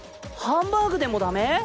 ハンバーグでもダメ？